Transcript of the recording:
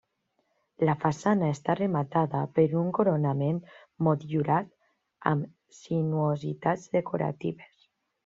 La façana està rematada per un coronament motllurat amb sinuositats decoratives.